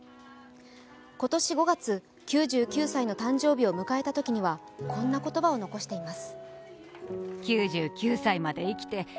今年５月、９９歳の誕生日を迎えたときにはこんな言葉を残しています。